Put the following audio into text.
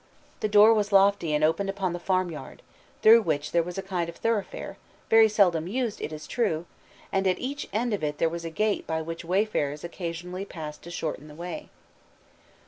The door was lofty and opened upon the farmyard, through which there was a kind of thoroughfare, very seldom used, it is true, and at each end of it there was a gate by which wayfarers occasionally passed to shorten the way.